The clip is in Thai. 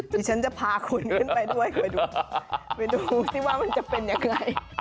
ดิฉันจะพาคุณขึ้นไปด้วยไปดูไปดูสิว่ามันจะเป็นยังไง